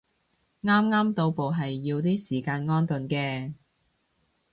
啱啱到埗係要啲時間安頓嘅